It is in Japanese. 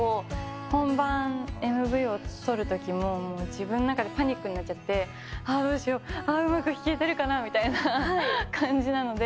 本番、ＭＶを撮るときも、自分の中でパニックになっちゃって、ああどうしよう、うまく弾けてるかなみたいな感じなので。